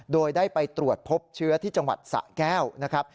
โดยได้ไปตรวจพบเชื้อที่จังหวัดสะแก้วนะครับ